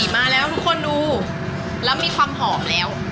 มาแล้วทุกคนดูแล้วมีความหอมแล้ว